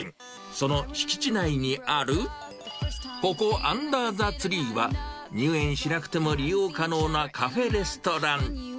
その敷地内にあるここ、アンダーザツリーは、入園しなくても利用可能なカフェレストラン。